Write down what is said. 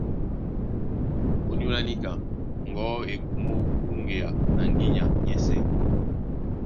Ónyólá níka ŋgɔ̌ e kumó wúŋgea na ŋgínya nyɛ́sɛ̄.